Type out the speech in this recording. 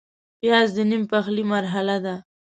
پیاز د نیم پخلي مرحله ده